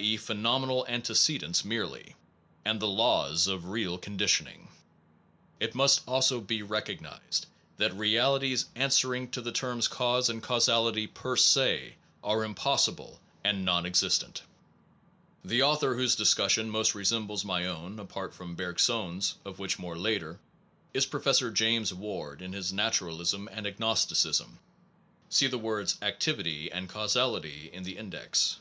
e., phenomenal antecedents merely) and the laws of real conditioning. It must also be recognized that realities answering to the terms cause and causality per se are impossible and non existent (ii, 374 378). The author whose discussion most resembles my own (apart from Bergson s, of which more later) is Prof. James Ward in his Naturalism and Agnosticism (see the words activity and causality in the in dex).